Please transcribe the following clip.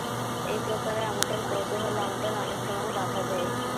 এই প্রকারে আমাদের কৌতূহল আমাদের অনেক সময় বাধা দেয়।